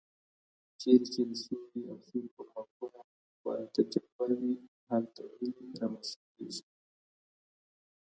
چیرته چي د سولي او سولي پر مفهوم باتجربه وي، هلته هیلې رامنځته کیږي؟